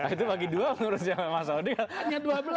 itu bagi dua menurut siapa mas aldi kan